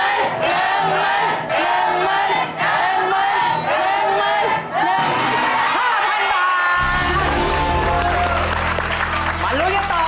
นี่ตาสารของมันน่ะนะครับ